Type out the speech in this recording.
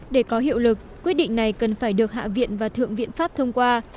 để có hiệu lực quyết định này cần phải được hạ viện và thượng viện pháp thông qua